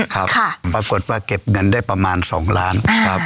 ครับปรากฏว่าเก็บเงินได้ประมาณ๒ล้านครับ